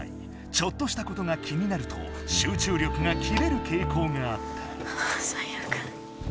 ちょっとしたことが気になると集中力が切れるけいこうがあった。